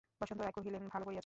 বসন্ত রায় কহিলেন, ভালো করিয়াছ।